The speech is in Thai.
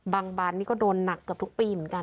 บานนี่ก็โดนหนักเกือบทุกปีเหมือนกัน